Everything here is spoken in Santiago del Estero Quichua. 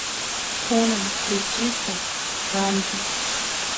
kunan kuchista rantiy